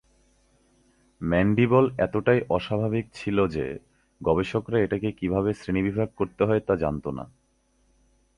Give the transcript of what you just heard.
Mandible এতটাই অস্বাভাবিক ছিল যে, গবেষকরা এটাকে কীভাবে শ্রেণীবিভাগ করতে হয়, তা জানত না।